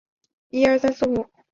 乾隆十六年二月降为四等侍卫。